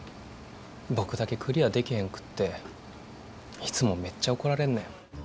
僕だけクリアでけへんくっていつもめっちゃ怒られんねん。